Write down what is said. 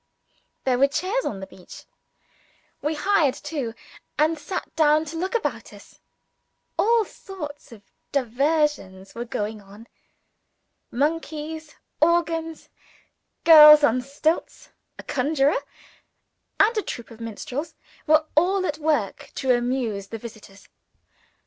There were chairs on the beach. We hired two, and sat down to look about us. All sorts of diversions were going on. Monkeys, organs, girls on stilts, a conjurer, and a troop of negro minstrels, were all at work to amuse the visitors.